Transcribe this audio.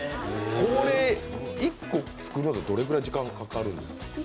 これ、１個作るのにどれくらい時間がかかるんですか？